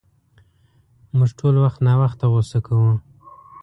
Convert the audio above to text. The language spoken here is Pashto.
مونږ ټول وخت ناوخته غصه کوو.